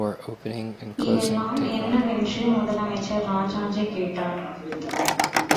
இதெல்லாம் என்னவென்று முதலமைச்சர் ராஜாஜி கேட்டார்.!